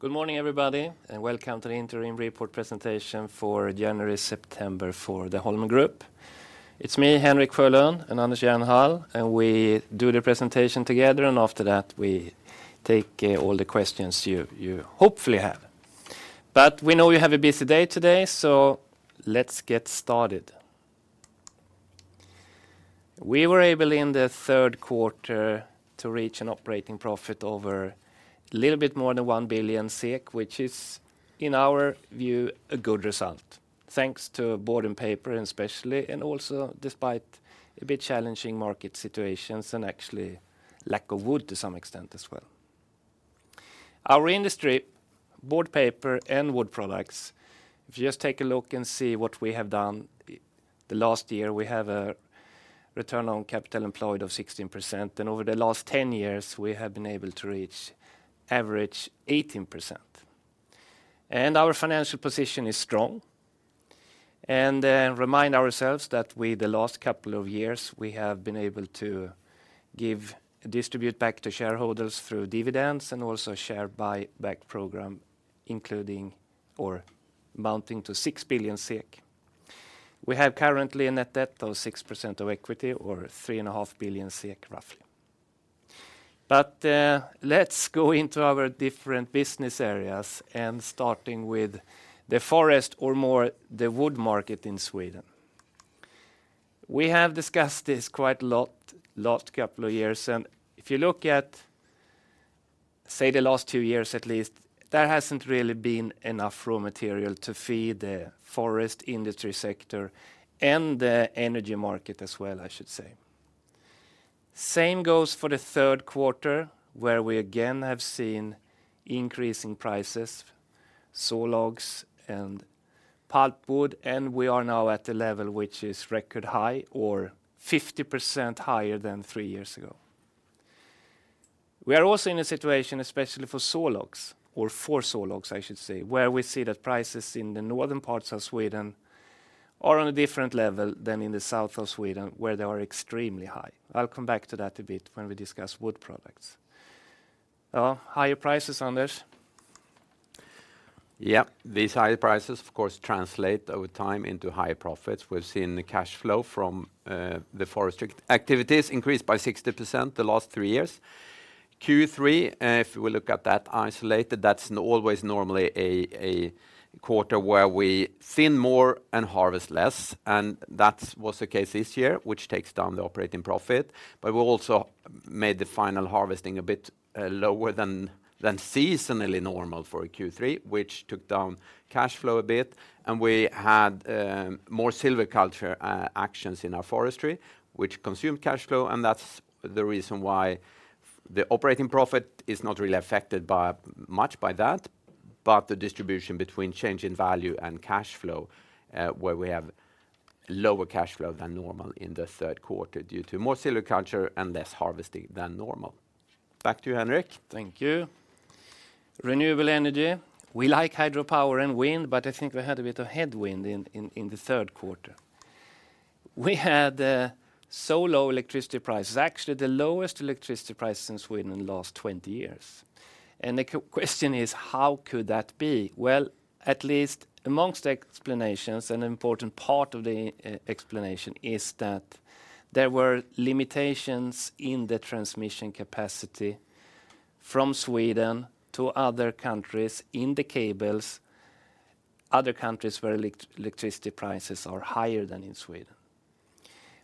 Good morning, everybody, and welcome to the interim report presentation for January-September for the Holmen Group. It's me, Henrik Sjölund, and Anders Jernhall, and we do the presentation together, and after that, we take all the questions you hopefully have. But we know you have a busy day today, so let's get started. We were able, in the third quarter, to reach an operating profit over a little bit more than 1 billion SEK, which is, in our view, a good result, thanks to board and paper especially, and also despite a bit challenging market situations and actually lack of wood to some extent as well. Our industry, board paper and wood products, if you just take a look and see what we have done the last year, we have a return on capital employed of 16%, and over the last 10 years, we have been able to reach average 18%. Our financial position is strong, and remind ourselves that we, the last couple of years, we have been able to distribute back to shareholders through dividends and also share buyback program, amounting to 6 billion SEK. We have currently a net debt of 6% of equity, or 3.5 billion SEK, roughly, but let's go into our different business areas, and starting with the forest or more the wood market in Sweden. We have discussed this quite a lot, last couple of years, and if you look at, say, the last two years at least, there hasn't really been enough raw material to feed the forest industry sector and the energy market as well, I should say. Same goes for the third quarter, where we again have seen increasing prices, sawlogs and pulpwood, and we are now at a level which is record high or 50% higher than three years ago. We are also in a situation, especially for sawlogs or for sawlogs, I should say, where we see that prices in the northern parts of Sweden are on a different level than in the south of Sweden, where they are extremely high. I'll come back to that a bit when we discuss wood products. Higher prices, Anders? Yeah, these higher prices, of course, translate over time into higher profits. We've seen the cash flow from the forestry activities increase by 60% the last three years. Q3, if we look at that isolated, that's always normally a quarter where we thin more and harvest less, and that was the case this year, which takes down the operating profit. But we also made the final harvesting a bit lower than seasonally normal for a Q3, which took down cash flow a bit, and we had more silviculture actions in our forestry, which consumed cash flow, and that's the reason why the operating profit is not really affected much by that. But the distribution between change in value and cash flow, where we have lower cash flow than normal in the third quarter due to more silviculture and less harvesting than normal. Back to you, Henrik. Thank you. Renewable energy. We like hydropower and wind, but I think we had a bit of headwind in the third quarter. We had so low electricity prices, actually the lowest electricity price in Sweden in the last twenty years. The question is: How could that be? At least amongst the explanations, an important part of the explanation is that there were limitations in the transmission capacity from Sweden to other countries in the cables, other countries where electricity prices are higher than in Sweden.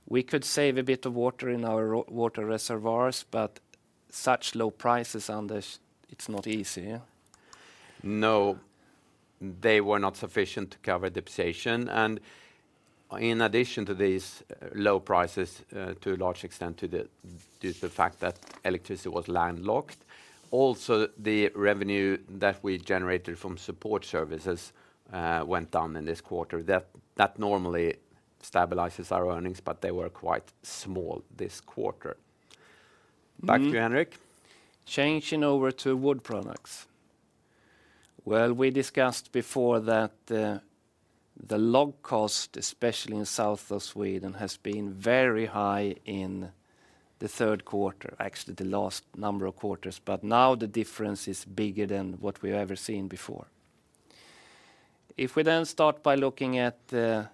We could save a bit of water in our water reservoirs, but such low prices, Anders, it's not easy, eh? No, they were not sufficient to cover the position, and in addition to these low prices, to a large extent due to the fact that electricity was landlocked, also the revenue that we generated from support services went down in this quarter. That normally stabilizes our earnings, but they were quite small this quarter. Back to you, Henrik. Mm-hmm. Changing over to wood products, well, we discussed before that the log cost, especially in south of Sweden, has been very high in the third quarter, actually the last number of quarters, but now the difference is bigger than what we've ever seen before. If we then start by looking at the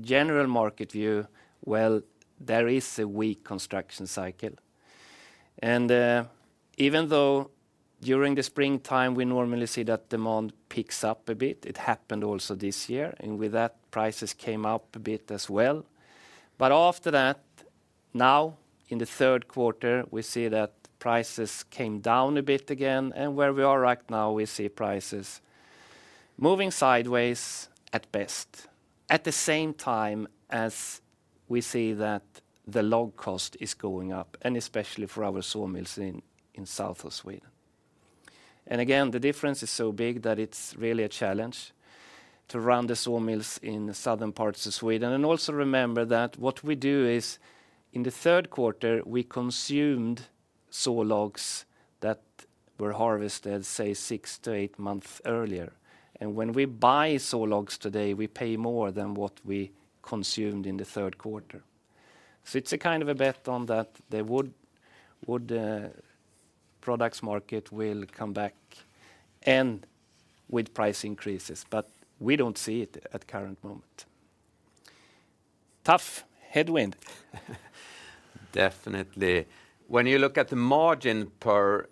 general market view, well, there is a weak construction cycle, and even though during the springtime, we normally see that demand picks up a bit, it happened also this year, and with that, prices came up a bit as well, but after that, now, in the third quarter, we see that prices came down a bit again, and where we are right now, we see prices moving sideways at best, at the same time as we see that the log cost is going up, and especially for our sawmills in south of Sweden. Again, the difference is so big that it's really a challenge to run the sawmills in the southern parts of Sweden. Also remember that what we do is, in the third quarter, we consumed sawlogs that were harvested, say, six to eight months earlier. When we buy sawlogs today, we pay more than what we consumed in the third quarter. It's a kind of a bet on that the wood products market will come back, and with price increases, but we don't see it at current moment. Tough headwind. Definitely. When you look at the margin per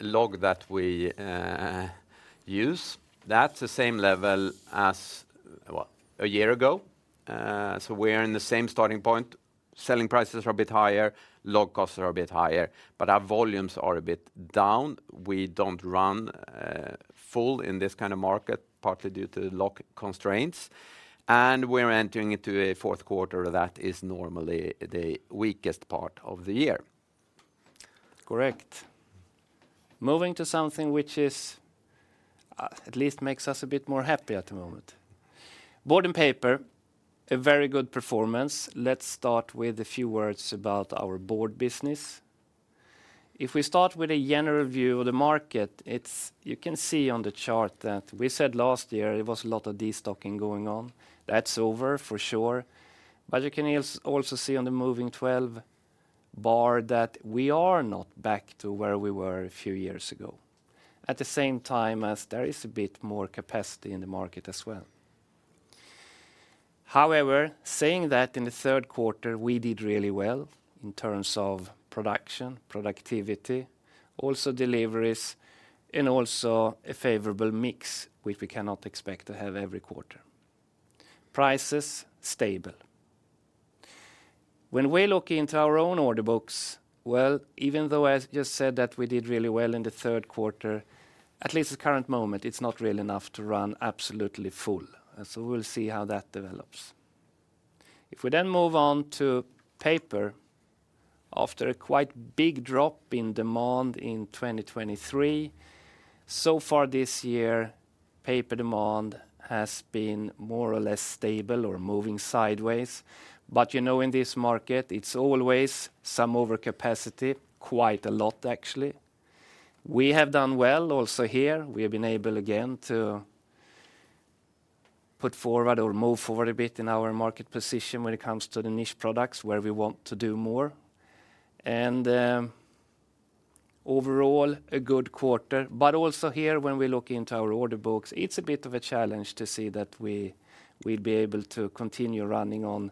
log that we use, that's the same level as, what? A year ago. So we're in the same starting point. Selling prices are a bit higher, log costs are a bit higher, but our volumes are a bit down. We don't run full in this kind of market, partly due to log constraints, and we're entering into a fourth quarter that is normally the weakest part of the year. Correct. Moving to something which is, at least makes us a bit more happy at the moment. Board and paper, a very good performance. Let's start with a few words about our board business. If we start with a general view of the market, it's you can see on the chart that we said last year there was a lot of destocking going on. That's over for sure. But you can also see on the moving twelve bar that we are not back to where we were a few years ago, at the same time as there is a bit more capacity in the market as well. However, saying that, in the third quarter, we did really well in terms of production, productivity, also deliveries, and also a favorable mix, which we cannot expect to have every quarter. Prices, stable. When we look into our own order books, well, even though I just said that we did really well in the third quarter, at least the current moment, it's not really enough to run absolutely full, and so we'll see how that develops. If we then move on to paper, after a quite big drop in demand in 2023, so far this year, paper demand has been more or less stable or moving sideways. But, you know, in this market, it's always some overcapacity, quite a lot actually. We have done well also here. We have been able, again, to put forward or move forward a bit in our market position when it comes to the niche products where we want to do more. Overall, a good quarter, but also here, when we look into our order books, it's a bit of a challenge to see that we'll be able to continue running on,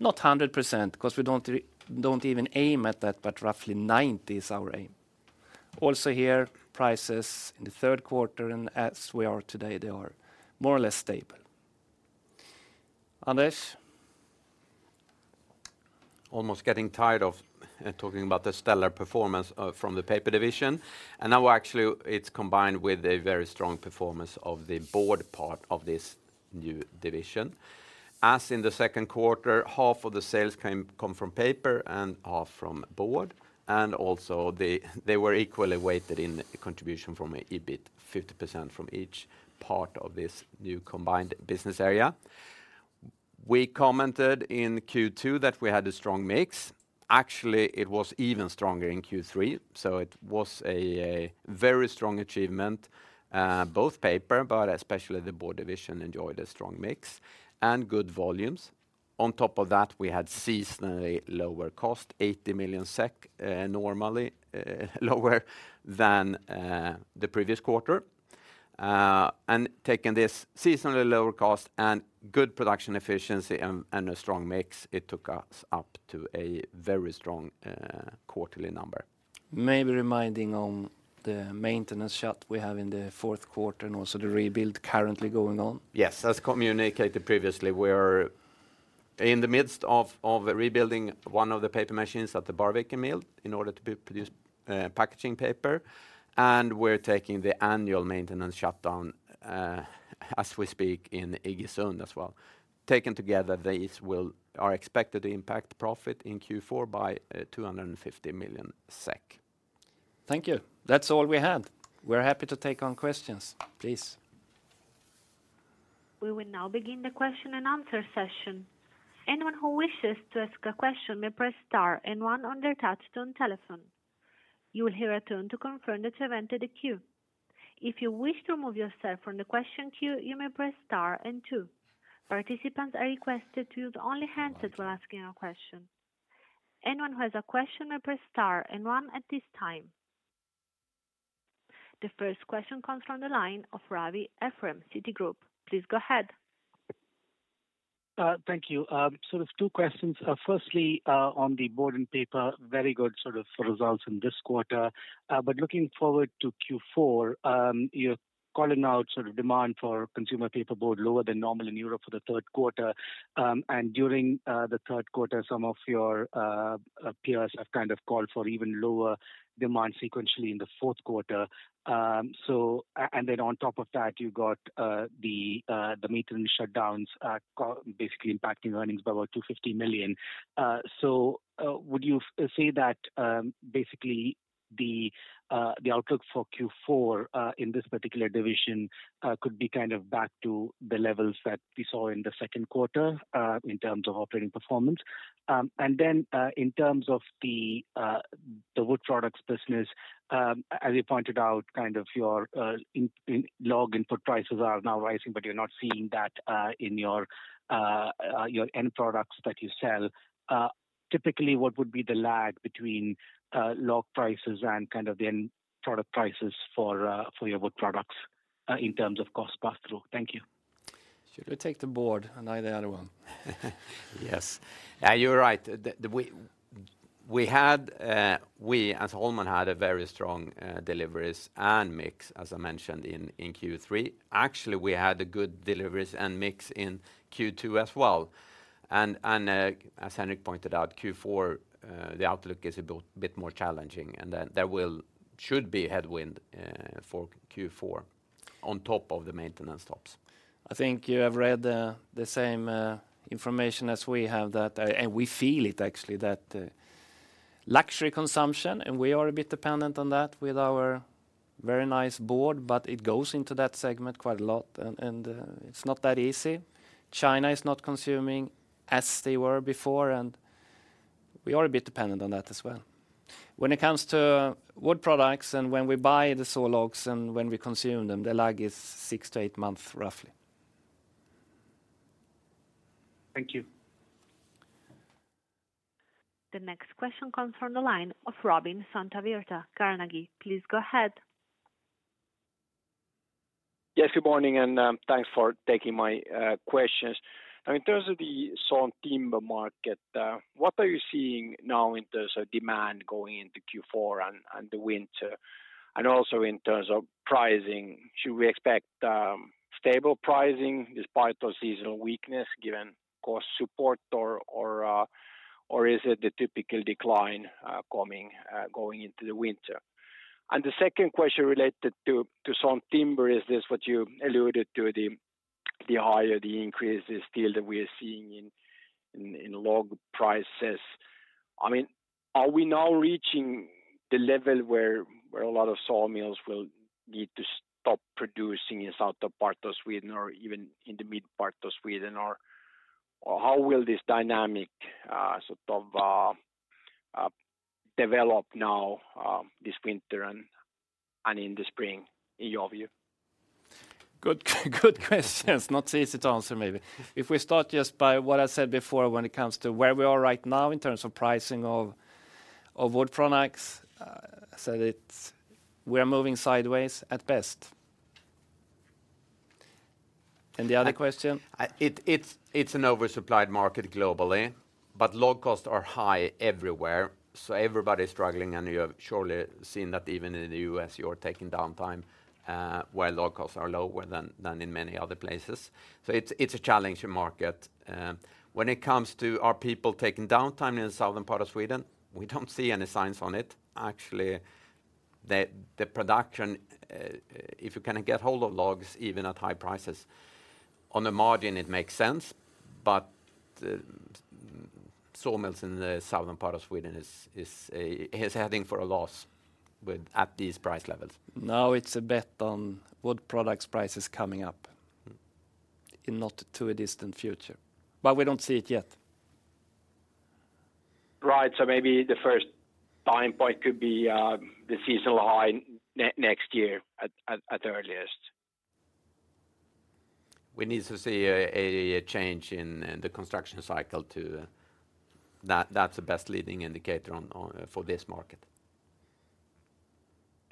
not 100%, because we don't even aim at that, but roughly 90% is our aim. Also here, prices in the third quarter and as we are today, they are more or less stable. Anders? Almost getting tired of talking about the stellar performance from the paper division, and now actually it's combined with a very strong performance of the board part of this new division. As in the second quarter, half of the sales come from paper and half from board, and also they were equally weighted in contribution from EBIT, 50% from each part of this new combined business area. We commented in Q2 that we had a strong mix. Actually, it was even stronger in Q3, so it was a very strong achievement. Both paper, but especially the board division, enjoyed a strong mix and good volumes. On top of that, we had seasonally lower cost, 80 million SEK, normally lower than the previous quarter. And taking this seasonally lower cost and good production efficiency and a strong mix, it took us up to a very strong quarterly number. Maybe reminding on the maintenance shutdown we have in the fourth quarter, and also the rebuild currently going on. Yes, as communicated previously, we're in the midst of rebuilding one of the paper machines at the Bråviken mill in order to produce packaging paper, and we're taking the annual maintenance shutdown as we speak in Iggesund as well. Taken together, these are expected to impact profit in Q4 by 250 million SEK. Thank you. That's all we have. We're happy to take on questions. Please. We will now begin the question and answer session. Anyone who wishes to ask a question may press star and one on their touchtone telephone. You will hear a tone to confirm that you've entered the queue. If you wish to remove yourself from the question queue, you may press star and two. Participants are requested to use only the handset when asking a question. Anyone who has a question may press star and one at this time. The first question comes from the line of Ephrem Ravi, Citigroup. Please go ahead. Thank you. Sort of two questions. Firstly, on the board and paper, very good sort of results in this quarter, but looking forward to Q4, you're calling out sort of demand for consumer paperboard lower than normal in Europe for the third quarter. And during the third quarter, some of your peers have kind of called for even lower demand sequentially in the fourth quarter. So and then on top of that, you've got the maintenance shutdowns basically impacting earnings by about 250 million. So would you say that basically the outlook for Q4 in this particular division could be kind of back to the levels that we saw in the second quarter in terms of operating performance? And then, in terms of the wood products business, as you pointed out, kind of your log input prices are now rising, but you're not seeing that in your end products that you sell. Typically, what would be the lag between log prices and kind of the end product prices for your wood products, in terms of cost pass-through? Thank you.... You take the board, and I, the other one. Yes. You're right. We, as Holmen, had a very strong deliveries and mix, as I mentioned, in Q3. Actually, we had a good deliveries and mix in Q2 as well, and as Henrik pointed out, Q4, the outlook is a bit more challenging, and then there should be headwind for Q4 on top of the maintenance stops. I think you have read the same information as we have that. And we feel it actually that luxury consumption, and we are a bit dependent on that with our very nice board, but it goes into that segment quite a lot, and it's not that easy. China is not consuming as they were before, and we are a bit dependent on that as well. When it comes to wood products, and when we buy the sawlogs and when we consume them, the lag is six to eight months, roughly. Thank you. The next question comes from the line of Robin Santavirta, Carnegie. Please go ahead. Yes, good morning, and, thanks for taking my questions. Now, in terms of the sawn timber market, what are you seeing now in terms of demand going into Q4 and, and the winter, and also in terms of pricing? Should we expect, stable pricing despite the seasonal weakness, given cost support, or, or, or is it the typical decline, coming, going into the winter? And the second question related to sawn timber, is this what you alluded to, the higher the increase is still that we are seeing in log prices. I mean, are we now reaching the level where a lot of sawmills will need to stop producing in southern part of Sweden or even in the mid part of Sweden? Or how will this dynamic, sort of, develop now, this winter and in the spring, in your view? Good, good questions. Not easy to answer, maybe. If we start just by what I said before, when it comes to where we are right now in terms of pricing of wood products, so it's we are moving sideways at best. And the other question? It's an oversupplied market globally, but log costs are high everywhere, so everybody's struggling, and you have surely seen that even in the U.S., you are taking downtime, while log costs are lower than in many other places, so it's a challenging market. Are people taking downtime in the southern part of Sweden? We don't see any signs on it. Actually, the production, if you can get hold of logs, even at high prices, on the margin, it makes sense, but sawmills in the southern part of Sweden is heading for a loss at these price levels. Now, it's a bet on wood products prices coming up, in not too distant a future, but we don't see it yet. Right, so maybe the first time point could be the seasonal high next year at the earliest. We need to see a change in the construction cycle to... That, that's the best leading indicator on for this market.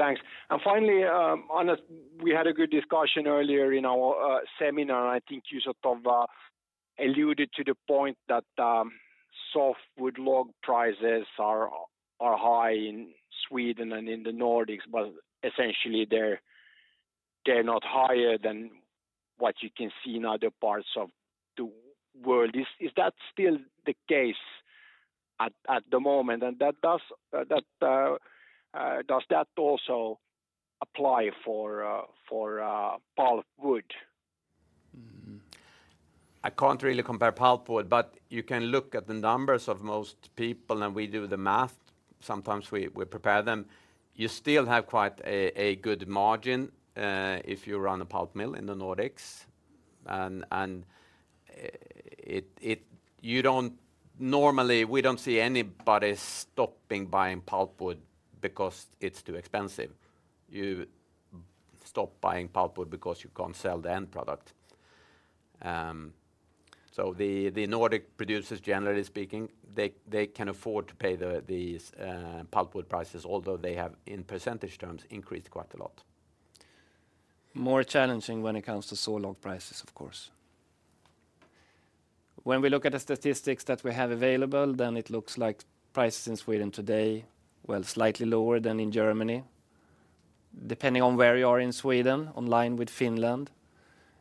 Thanks. And finally, Anders, we had a good discussion earlier in our seminar. I think you sort of alluded to the point that softwood log prices are high in Sweden and in the Nordics, but essentially, they're not higher than what you can see in other parts of the world. Is that still the case at the moment? And does that also apply for pulpwood? Mm-hmm. I can't really compare pulpwood, but you can look at the numbers of most people, and we do the math. Sometimes we prepare them. You still have quite a good margin if you run a pulp mill in the Nordics. Normally, we don't see anybody stopping buying pulpwood because it's too expensive. You stop buying pulpwood because you can't sell the end product. So the Nordic producers, generally speaking, they can afford to pay these pulpwood prices, although they have, in percentage terms, increased quite a lot. More challenging when it comes to sawlog prices, of course. When we look at the statistics that we have available, then it looks like prices in Sweden today, well, slightly lower than in Germany. Depending on where you are in Sweden, in line with Finland,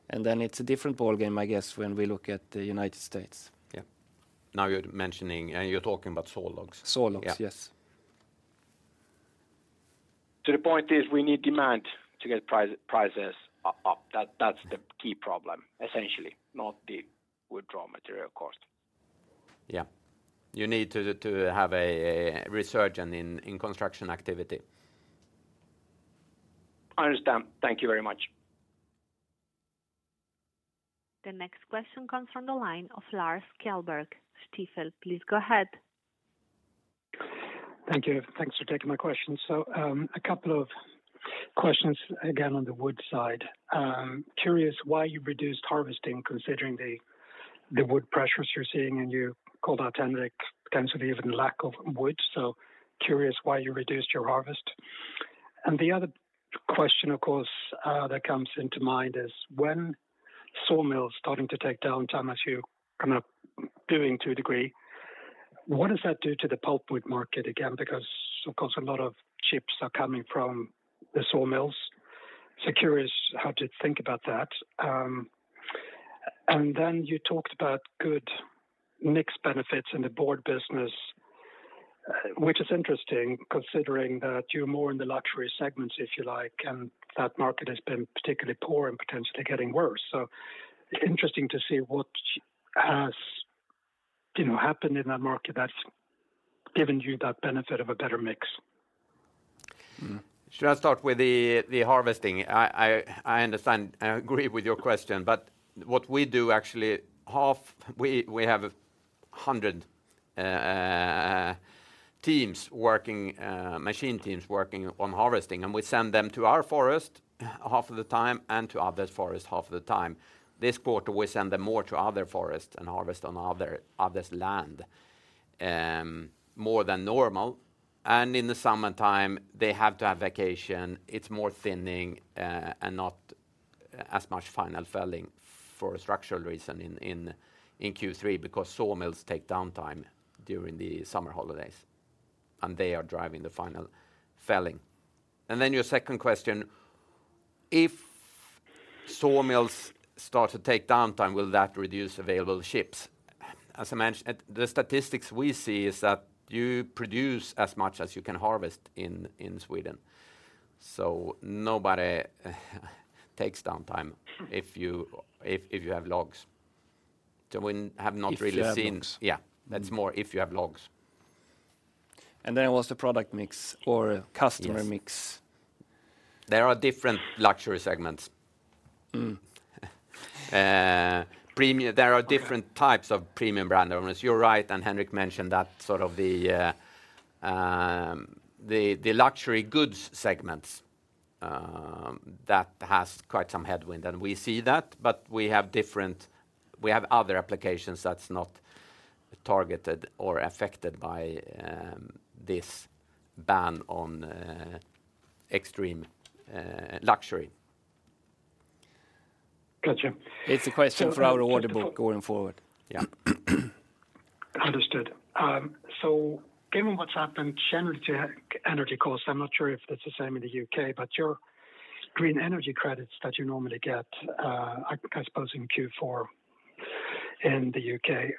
and then it's a different ballgame, I guess, when we look at the United States. Yeah. Now, you're mentioning, and you're talking about sawlogs. Sawlogs, yes. Yeah. So the point is, we need demand to get price, prices up. That, that's the key problem, essentially, not the wood raw material cost. Yeah. You need to have a resurgence in construction activity. I understand. Thank you very much. The next question comes from the line of Lars Kjellberg, Stifel. Please go ahead. Thank you. Thanks for taking my question. So, a couple of questions again, on the wood side. Curious why you reduced harvesting, considering the wood pressures you're seeing, and you called out, Henrik, potentially even lack of wood, so curious why you reduced your harvest. And the other question, of course, that comes into mind is when sawmills starting to take downtime, as you kind of doing to a degree, what does that do to the pulpwood market again? Because, of course, a lot of chips are coming from the sawmills. So curious how to think about that. And then you talked about good mix benefits in the board business, which is interesting, considering that you're more in the luxury segments, if you like, and that market has been particularly poor and potentially getting worse. Interesting to see what has, you know, happened in that market that's given you that benefit of a better mix. Should I start with the harvesting? I understand. I agree with your question, but what we do, actually, half- we, we have 100 teams working, machine teams working on harvesting, and we send them to our forest half of the time and to others' forest half of the time. This quarter, we send them more to other forests and harvest on others' land more than normal, and in the summertime, they have to have vacation. It's more thinning, and not as much final felling for a structural reason in Q3, because sawmills take downtime during the summer holidays, and they are driving the final felling. And then your second question, if sawmills start to take downtime, will that reduce available chips? As I mentioned, the statistics we see is that you produce as much as you can harvest in Sweden, so nobody takes downtime if you have logs. So we have not really seen- If you have logs. Yeah, that's more if you have logs. What's the product mix or customer mix? Yes. There are different luxury segments. Mm. Premium, there are different types of premium brand owners. You're right, and Henrik mentioned that sort of the luxury goods segments that has quite some headwind, and we see that, but we have different. We have other applications that's not targeted or affected by this ban on extreme luxury. Gotcha. It's a question for our order book going forward. Yeah. Understood. So given what's happened generally to energy costs, I'm not sure if that's the same in the U.K., but your green energy credits that you normally get, I suppose in Q4 in the U.K.,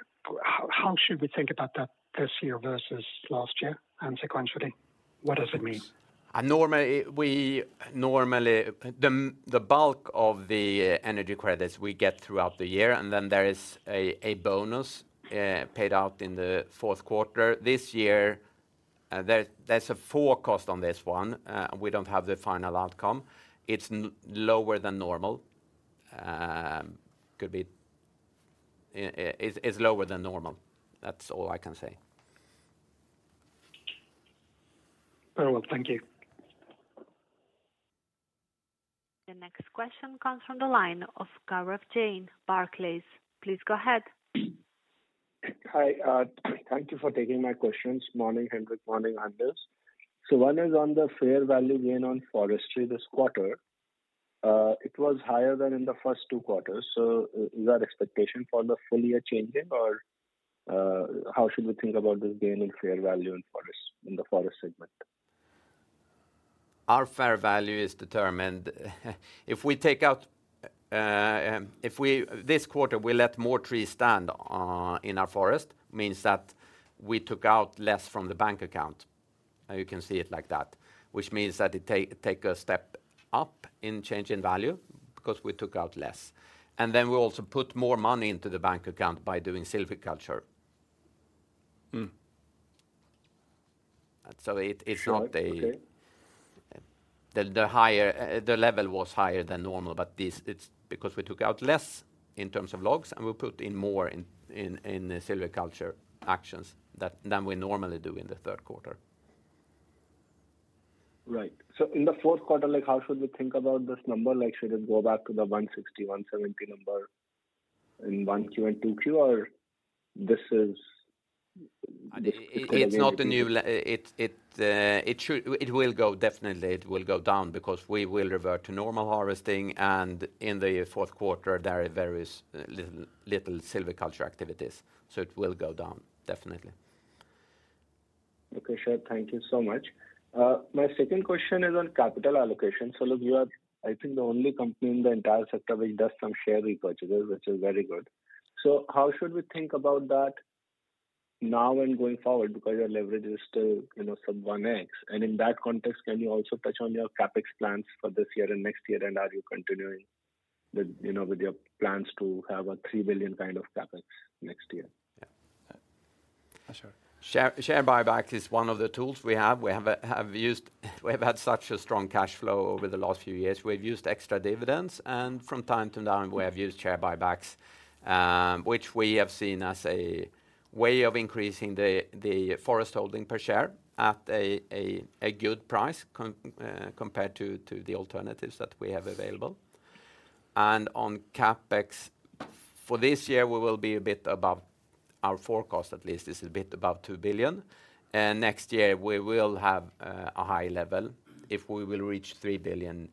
how should we think about that this year versus last year and sequentially? What does it mean? Normally, the bulk of the energy credits we get throughout the year, and then there is a bonus paid out in the fourth quarter. This year, there's a forecast on this one. We don't have the final outcome. It's lower than normal. Could be... it's lower than normal. That's all I can say. Very well, thank you. The next question comes from the line of Gaurav Jain, Barclays. Please go ahead. Hi. Thank you for taking my questions. Morning, Henrik. Morning, Anders. So, one is on the fair value gain on forestry this quarter. It was higher than in the first two quarters, so, is that expectation for the full year changing or, how should we think about this gain in fair value in forest, in the forest segment? Our fair value is determined, if we take out this quarter, we let more trees stand in our forest, means that we took out less from the bank account, and you can see it like that, which means that it take a step up in change in value because we took out less, and then we also put more money into the bank account by doing silviculture. So it, it's not a- Okay. The higher level was higher than normal, but this is because we took out less in terms of logs, and we put in more in the silviculture actions than we normally do in the third quarter. Right. So in the fourth quarter, like, how should we think about this number? Like, should it go back to the 160, 170 number in Q1 and Q2, or is this It's not a new level. It will definitely go down because we will revert to normal harvesting, and in the fourth quarter, there are various little silviculture activities, so it will go down, definitely. Okay, sure. Thank you so much. My second question is on capital allocation. So look, you are, I think, the only company in the entire sector which does some share repurchases, which is very good. So how should we think about that now and going forward? Because your leverage is still, you know, sub one x, and in that context, can you also touch on your CapEx plans for this year and next year, and are you continuing with, you know, with your plans to have a three billion kind of CapEx next year? Yeah. Sure. Share buyback is one of the tools we have. We have used. We have had such a strong cash flow over the last few years. We've used extra dividends, and from time to time, we have used share buybacks, which we have seen as a way of increasing the forest holding per share at a good price compared to the alternatives that we have available. And on CapEx for this year, we will be a bit above our forecast, at least this is a bit above 2 billion. And next year, we will have a high level. If we will reach 3 billion,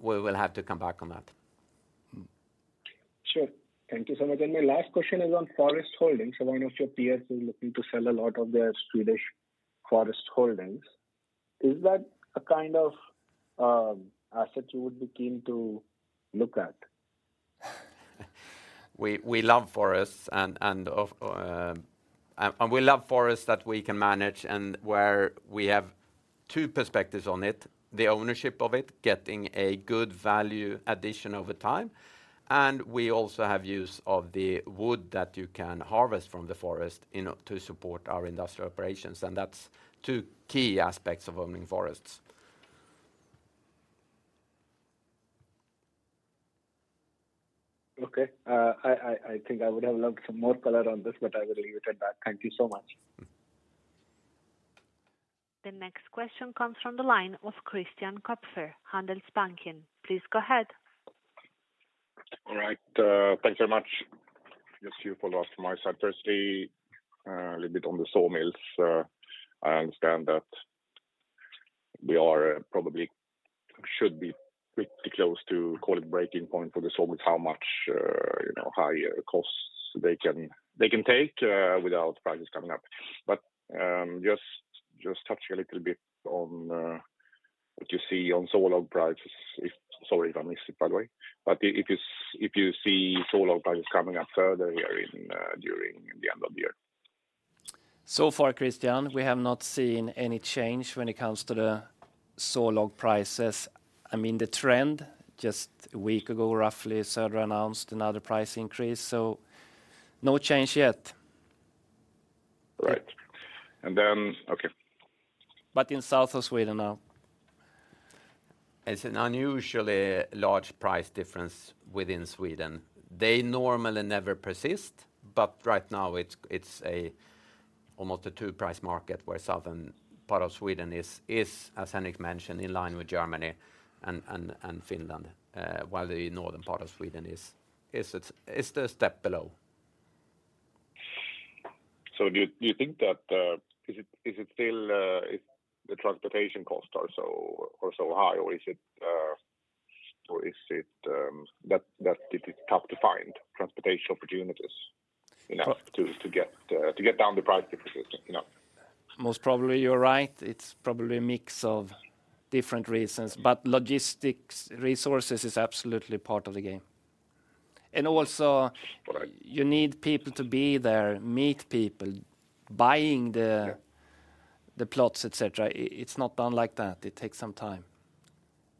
we will have to come back on that. Sure. Thank you so much. And my last question is on forest holdings. I know one of your peers is looking to sell a lot of their Swedish forest holdings. Is that a kind of asset you would be keen to look at? We love forests that we can manage, and where we have two perspectives on it: the ownership of it, getting a good value addition over time, and we also have use of the wood that you can harvest from the forest in order to support our industrial operations, and that's two key aspects of owning forests. Okay. I think I would have loved some more color on this, but I will leave it at that. Thank you so much. The next question comes from the line of Christian Kopfer, Handelsbanken. Please go ahead. All right, thank you very much. Just a few follow-ups from my side. Firstly, a little bit on the sawmills. I understand that we are probably should be pretty close to call it breaking point for the sawmills, how much, you know, higher costs they can take without prices coming up, but just touch a little bit on what you see on sawlog prices, if, sorry, if I missed it, by the way, but if you see sawlog prices coming up further here in, during the end of the year. So far, Christian, we have not seen any change when it comes to the sawlog prices. I mean, the trend, just a week ago, roughly, Södra announced another price increase, so no change yet. Right. And then... Okay. But in the south of Sweden now. It's an unusually large price difference within Sweden. They normally never persist, but right now it's almost a two-price market, where southern part of Sweden is, as Henrik mentioned, in line with Germany and Finland, while the northern part of Sweden is the step below. So, do you think that is it still the transportation costs are so high, or is it that it's tough to find transportation opportunities, you know, to get down the price differences, you know? Most probably you're right. It's probably a mix of different reasons, but logistics resources is absolutely part of the game. And also- Right... you need people to be there, meet people, buying the- Yeah... the plots, et cetera. It's not done like that. It takes some time.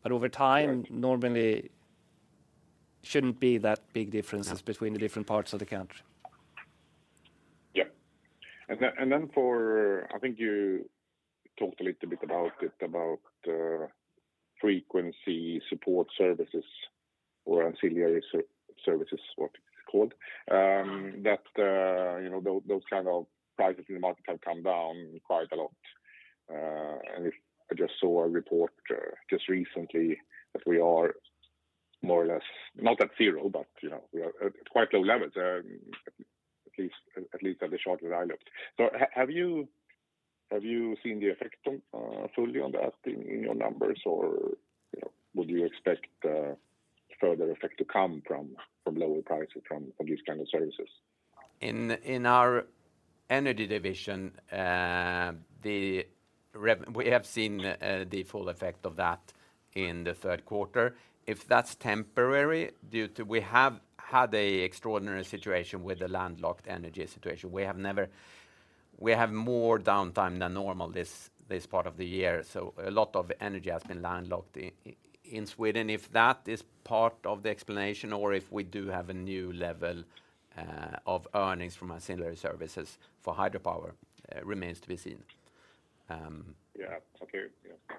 But over time- Right... normally shouldn't be that big differences. Yeah... between the different parts of the country. Yeah. And then for, I think you talked a little bit about it, about frequency support services or ancillary services, what it's called, that you know those kind of prices in the market have come down quite a lot. And if I just saw a report just recently, that we are more or less not at zero, but you know we are at quite low levels, at least in the short run I looked. So have you seen the effect of that fully in your numbers, or you know would you expect further effect to come from lower prices from these kind of services? In our energy division, we have seen the full effect of that in the third quarter. If that's temporary, due to we have had an extraordinary situation with the landlocked energy situation. We have more downtime than normal this part of the year, so a lot of energy has been landlocked in Sweden. If that is part of the explanation or if we do have a new level of earnings from ancillary services for hydropower, remains to be seen. Yeah. Okay. Yeah.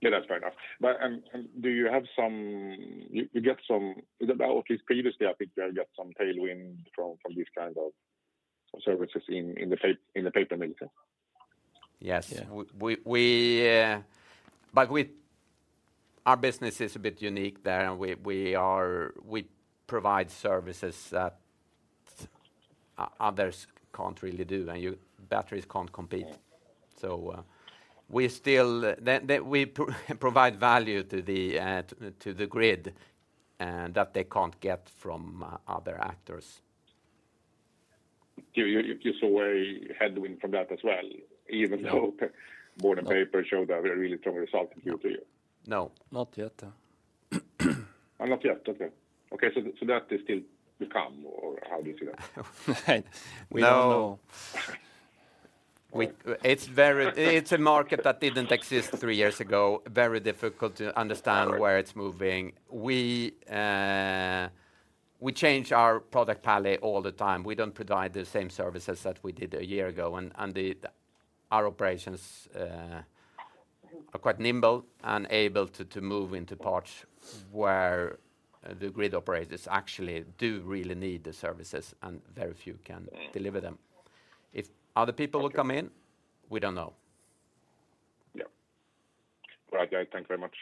Yeah, that's fair enough. But, and do you have some. You get some. Well, at least previously, I think you have got some tailwind from these kind of services in the papermaking? Yes. Yeah. But we, our business is a bit unique there, and we are, we provide services that others can't really do, and batteries can't compete. Yeah. We still provide value to the grid that they can't get from other actors. You saw a headwind from that as well, even though- No... board and paper showed a really strong result year to year? No. Not yet. Not yet. Okay. Okay, so, so that is still to come, or how do you see that? We don't know. No. It's a market that didn't exist three years ago. Very difficult to understand. Right... where it's moving. We change our product palette all the time. We don't provide the same services that we did a year ago, and our operations are quite nimble and able to move into parts where the grid operators actually do really need the services, and very few can deliver them. If other people will come in, we don't know.... Yeah. All right, guys, thank you very much.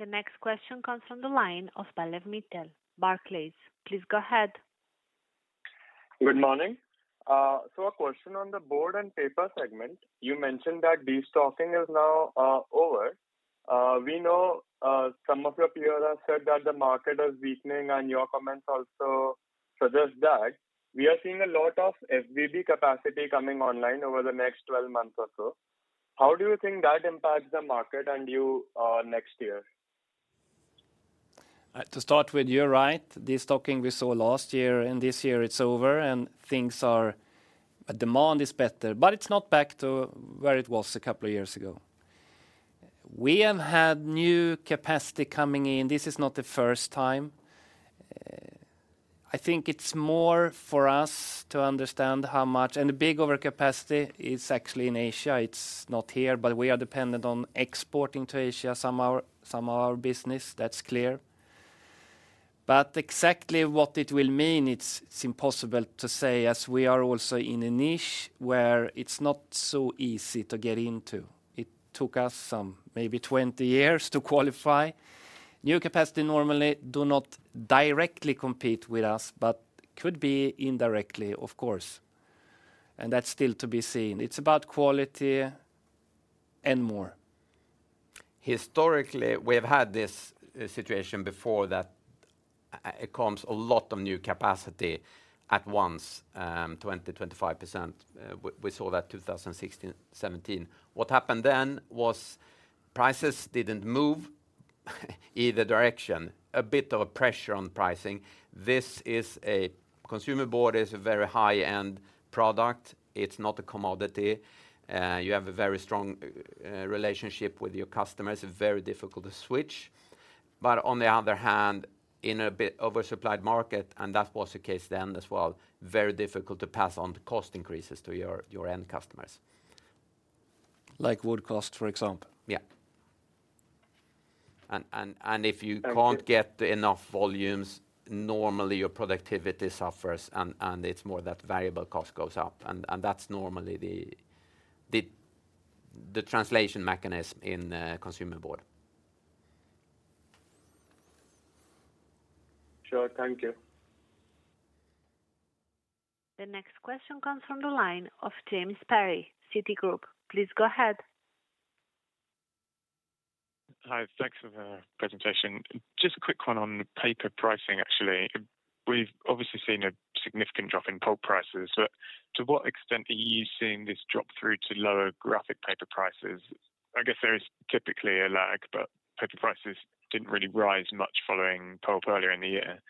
The next question comes from the line of Pallav Mittal, Barclays. Please go ahead. Good morning. So, a question on the board and paper segment. You mentioned that destocking is now over. We know some of your peers have said that the market is weakening, and your comments also suggest that. We are seeing a lot of FBB capacity coming online over the next 12 months or so. How do you think that impacts the market and you next year? To start with, you're right. Destocking we saw last year, and this year it's over, and things are... Demand is better, but it's not back to where it was a couple of years ago. We have had new capacity coming in. This is not the first time. I think it's more for us to understand how much, and the big overcapacity is actually in Asia. It's not here, but we are dependent on exporting to Asia, some of our business, that's clear. But exactly what it will mean, it's impossible to say, as we are also in a niche where it's not so easy to get into. It took us some, maybe twenty years to qualify. New capacity normally do not directly compete with us, but could be indirectly, of course, and that's still to be seen. It's about quality and more. Historically, we've had this situation before, that it comes a lot of new capacity at once, 20%-25%. We saw that in 2016, 2017. What happened then was prices didn't move either direction. A bit of a pressure on pricing. This is a consumer board, is a very high-end product. It's not a commodity. You have a very strong relationship with your customers. It's very difficult to switch. But on the other hand, in a bit oversupplied market, and that was the case then as well, very difficult to pass on the cost increases to your end customers. Like wood costs, for example. Yeah. And if you- Thank you... can't get enough volumes, normally your productivity suffers, and it's more that variable cost goes up. And that's normally the translation mechanism in consumer board. Sure. Thank you. The next question comes from the line of James Perry, Citigroup. Please go ahead. Hi, thanks for the presentation. Just a quick one on paper pricing, actually. We've obviously seen a significant drop in pulp prices, so to what extent are you seeing this drop through to lower graphic paper prices? I guess there is typically a lag, but paper prices didn't really rise much following pulp earlier in the year.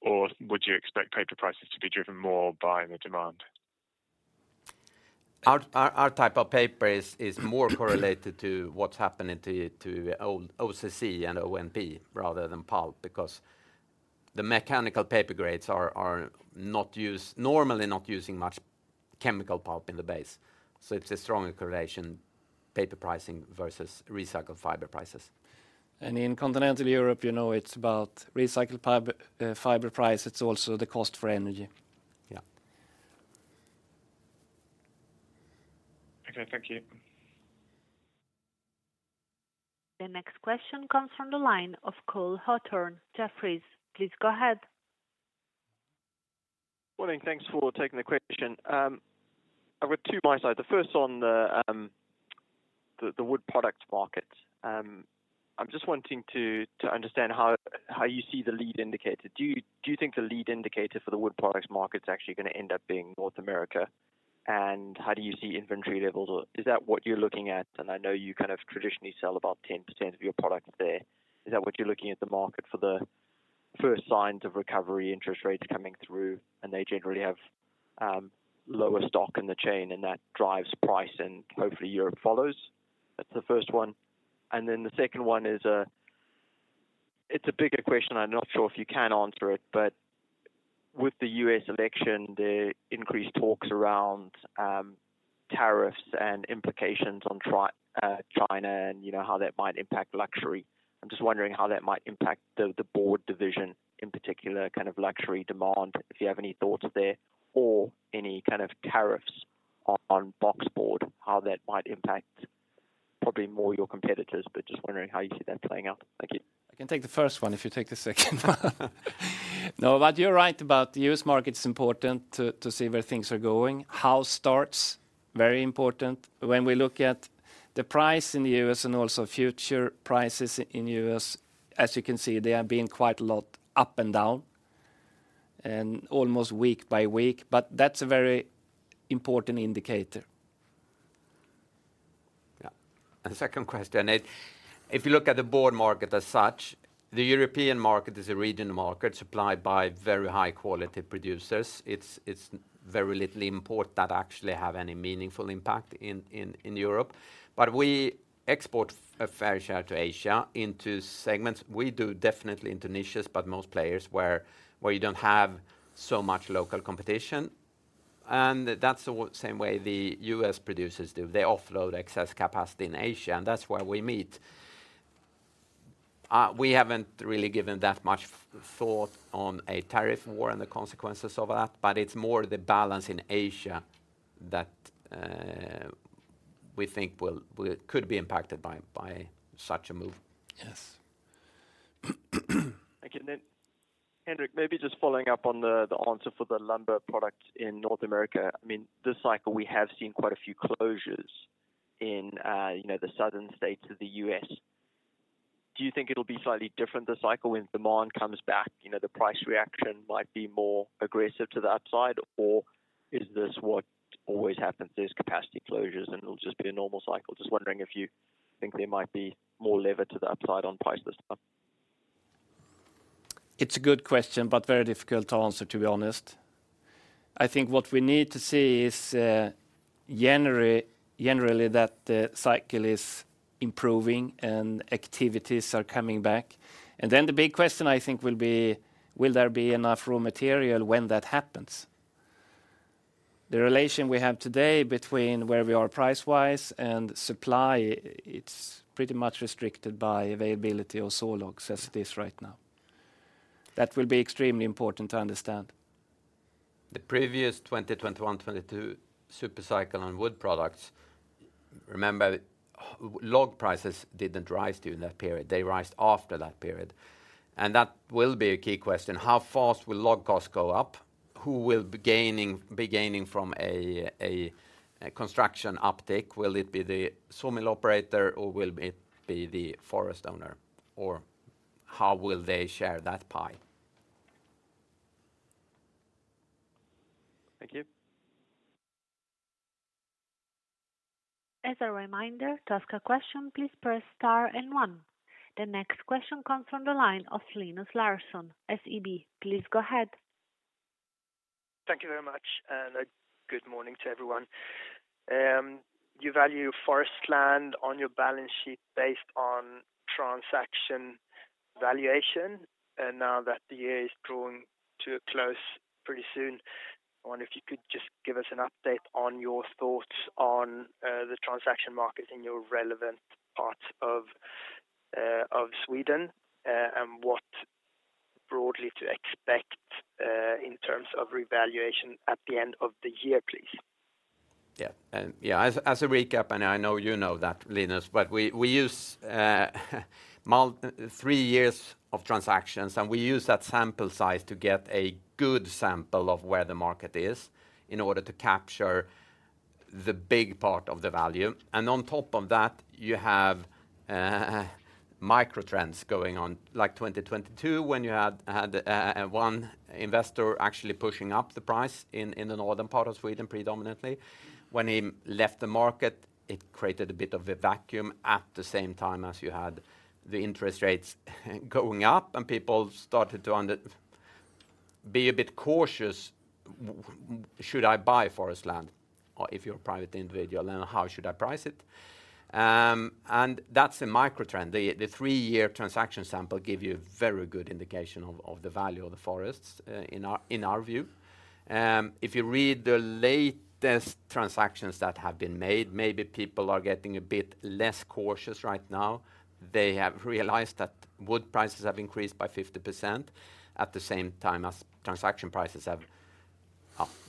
Or would you expect paper prices to be driven more by the demand? Our type of paper is more correlated to what's happening to old OCC and ONP rather than pulp, because the mechanical paper grades are not used, normally not using much chemical pulp in the base. So it's a strong correlation, paper pricing versus recycled fiber prices. In continental Europe, you know, it's about recycled fiber price. It's also the cost for energy. Yeah. Okay, thank you. The next question comes from the line of Cole Hathorn, Jefferies. Please go ahead. Morning, thanks for taking the question. I've got two myself, the first on the wood products market. I'm just wanting to understand how you see the lead indicator. Do you think the lead indicator for the wood products market is actually gonna end up being North America? And how do you see inventory levels? Or is that what you're looking at? And I know you kind of traditionally sell about 10% of your products there. Is that what you're looking at the market for the first signs of recovery, interest rates coming through, and they generally have lower stock in the chain, and that drives price, and hopefully Europe follows? That's the first one, and then the second one is, it's a bigger question. I'm not sure if you can answer it, but with the U.S. election, there are increased talks around tariffs and implications on trade with China, and, you know, how that might impact luxury. I'm just wondering how that might impact the board division, in particular, kind of luxury demand, if you have any thoughts there, or any kind of tariffs on box board, how that might impact probably more your competitors, but just wondering how you see that playing out. Thank you. I can take the first one if you take the second one. No, but you're right about the U.S. market's important to see where things are going. House starts, very important. When we look at the price in the U.S. and also future prices in U.S., as you can see, they have been quite a lot up and down and almost week by week, but that's a very important indicator. Yeah. And second question, if you look at the board market as such, the European market is a regional market supplied by very high-quality producers. It's very little import that actually have any meaningful impact in Europe. But we export a fair share to Asia, into segments. We do definitely into niches, but most players where you don't have so much local competition, and that's the same way the U.S. producers do. They offload excess capacity in Asia, and that's where we meet. We haven't really given that much thought on a tariff war and the consequences of that, but it's more the balance in Asia that we think will we could be impacted by such a move. Yes. Okay, then, Henrik, maybe just following up on the answer for the lumber product in North America. I mean, this cycle, we have seen quite a few closures in, you know, the southern states of the U.S. Do you think it'll be slightly different this cycle when demand comes back? You know, the price reaction might be more aggressive to the upside, or is this what always happens? There's capacity closures, and it'll just be a normal cycle. Just wondering if you think there might be more lever to the upside on price this time. It's a good question, but very difficult to answer, to be honest. I think what we need to see is, generally, that the cycle is improving and activities are coming back. And then the big question, I think, will be: Will there be enough raw material when that happens? The relation we have today between where we are price-wise and supply, it's pretty much restricted by availability of sawlog as it is right now. That will be extremely important to understand. The previous 2020, 2021, 2022 super cycle on wood products, remember, log prices didn't rise during that period. They rose after that period, and that will be a key question. How fast will log costs go up? Who will be gaining from a construction uptick? Will it be the sawmill operator, or will it be the forest owner, or how will they share that pie? Thank you. As a reminder, to ask a question, please press star and one. The next question comes from the line of Linus Larsson, SEB. Please go ahead. Thank you very much, and good morning to everyone. You value forest land on your balance sheet based on transaction valuation, and now that the year is drawing to a close pretty soon, I wonder if you could just give us an update on your thoughts on the transaction market in your relevant parts of Sweden, and what broadly to expect in terms of revaluation at the end of the year, please. Yeah. And yeah, as a recap, and I know you know that, Linus, but we use three years of transactions, and we use that sample size to get a good sample of where the market is in order to capture the big part of the value. And on top of that, you have microtrends going on, like 2022, when you had one investor actually pushing up the price in the northern part of Sweden, predominantly. When he left the market, it created a bit of a vacuum at the same time as you had the interest rates going up, and people started to be a bit cautious, "Should I buy forest land?" Or if you're a private individual, then, "How should I price it?" And that's a microtrend. The three-year transaction sample gives you a very good indication of the value of the forests in our view. If you read the latest transactions that have been made, maybe people are getting a bit less cautious right now. They have realized that wood prices have increased by 50%, at the same time as transaction prices have.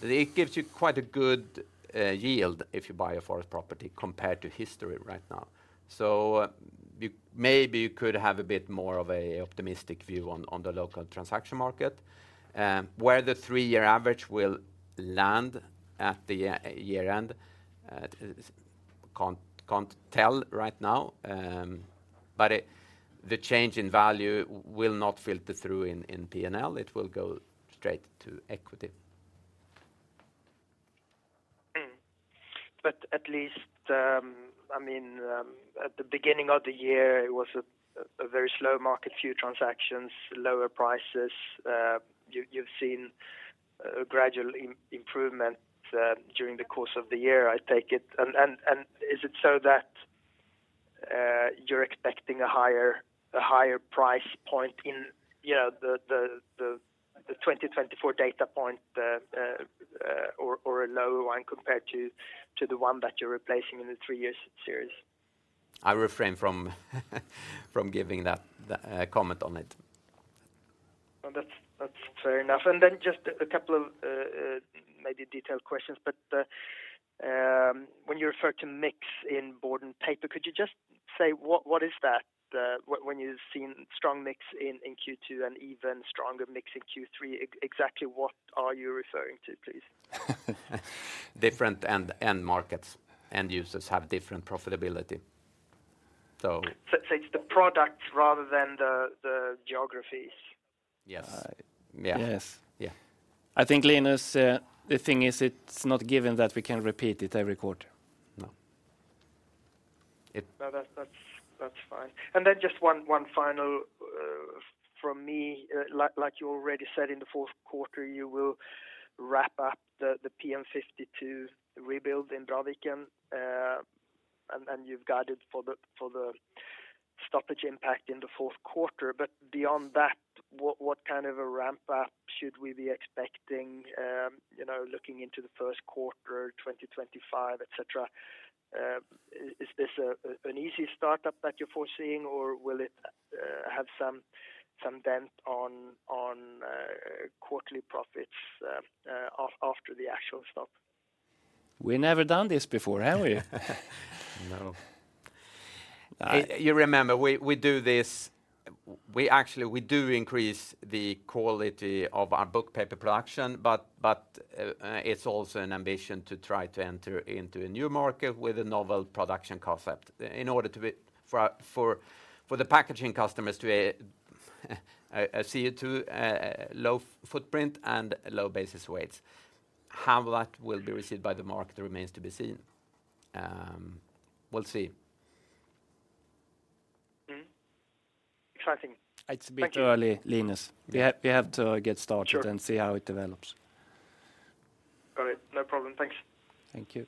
It gives you quite a good yield if you buy a forest property compared to history right now. So you maybe could have a bit more of an optimistic view on the local transaction market. Where the three-year average will land at the year-end, can't tell right now. But it, the change in value will not filter through in P&L. It will go straight to equity. Hmm. But at least, I mean, at the beginning of the year, it was a very slow market, few transactions, lower prices. You've seen a gradual improvement during the course of the year, I take it. Is it so that you're expecting a higher price point in, you know, the twenty twenty-four data point, or a lower one compared to the one that you're replacing in the three-year series? I refrain from giving that comment on it. That's fair enough, and then just a couple of maybe detailed questions, but when you refer to mix in board and paper, could you just say what is that? When you've seen strong mix in Q2 and even stronger mix in Q3, exactly what are you referring to, please? Different end markets, end users have different profitability. So- So, it's the product rather than the geographies? Yes. Yeah. Yes. Yeah. I think, Linus, the thing is, it's not given that we can repeat it every quarter. No. It- No, that's fine. And then just one final from me. Like you already said, in the fourth quarter, you will wrap up the PM52 rebuild in Bråviken, and you've guided for the stoppage impact in the fourth quarter. But beyond that, what kind of a ramp up should we be expecting, you know, looking into the first quarter, twenty twenty-five, et cetera? Is this an easy startup that you're foreseeing, or will it have some dent on quarterly profits after the actual stop? We've never done this before, have we? No. You remember, we actually increase the quality of our book paper production, but it's also an ambition to try to enter into a new market with a novel production concept in order to be for our packaging customers a low CO2 footprint and low basis weights. How that will be received by the market remains to be seen. We'll see. Mm-hmm. Exciting. It's a bit early. Thank you... Linus. We have to get started- Sure... and see how it develops. Got it. No problem. Thanks. Thank you.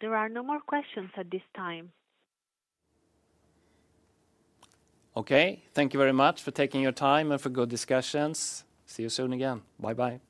There are no more questions at this time. Okay. Thank you very much for taking your time and for good discussions. See you soon again. Bye-bye.